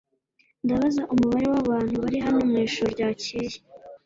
Ndabaza umubare wabantu bari hano mwijoro ryakeye